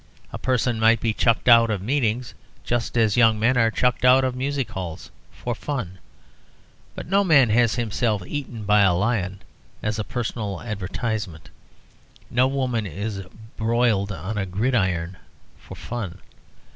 A person might be chucked out of meetings just as young men are chucked out of music halls for fun. But no man has himself eaten by a lion as a personal advertisement. No woman is broiled on a gridiron for fun.